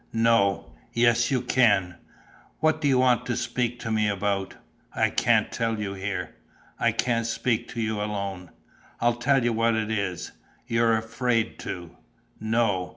"No." "Yes, you can." "What do you want to speak to me about?" "I can't tell you here." "I can't speak to you alone." "I'll tell you what it is: you're afraid to." "No."